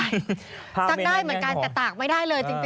ซักได้เหมือนกันแต่ตากไม่ได้เลยจริง